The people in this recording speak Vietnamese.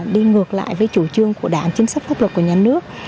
đi ngược lại với chủ trương của đảng chính sách pháp luật của nhà nước